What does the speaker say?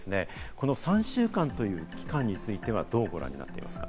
この３週間という期間についてはどうご覧になっていますか？